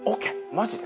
マジで？